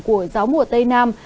của gió mùa tây nam